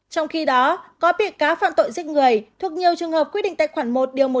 trong khi đó có bị cá phạm tội giết người thuộc nhiều trường hợp quy định tại khoản một điều một trăm hai mươi ba